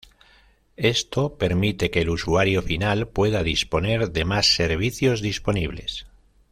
Esto permite que el usuario final pueda disponer de más servicios disponibles.